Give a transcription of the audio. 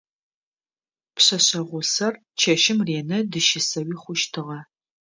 Пшъэшъэ гъусэр чэщым ренэ дыщысэуи хъущтыгъэ.